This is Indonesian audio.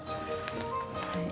mas pur udah mendingan